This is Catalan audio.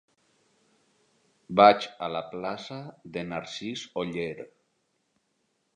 Vaig a la plaça de Narcís Oller.